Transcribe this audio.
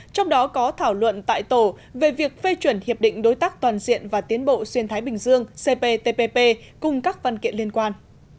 trong đó có thảo luận tại tổ về việc phê chuẩn hiệp định đối tác toàn diện và tiến bộ xuyên thái bình dương cptpp cùng các văn kiện liên quan